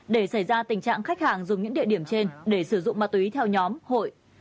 để xảy ra tình trạng khách hàng dùng những địa điểm trên để sử dụng ma túy theo nhóm hội